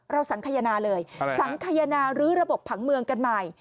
สังขยนาเลยสังขยนารื้อระบบผังเมืองกันใหม่